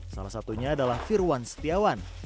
salah satunya adalah firwan setiawan